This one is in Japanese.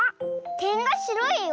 てんがしろいよ！